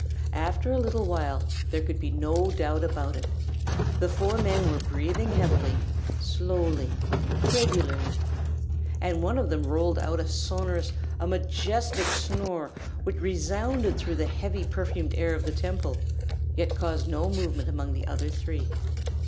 After a little while there could be no doubt about it, the four men were breathing heavily, slowly, regularly; and one of them rolled out a sonorous, a majestic snore, which resounded through the heavy perfumed air of the Temple, yet caused no movement among the other three.